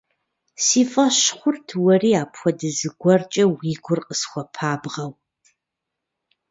Си фӀэщ хъурт уэри апхуэдэ зыгуэркӀэ уи гур къысхуэпабгъэу.